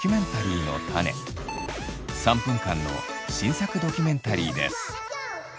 ３分間の新作ドキュメンタリーです。